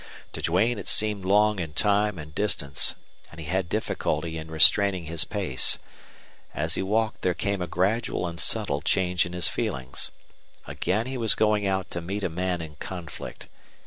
To Duane it seemed long in time and distance, and he had difficulty in restraining his pace. As he walked there came a gradual and subtle change in his feelings. Again he was going out to meet a man in conflict.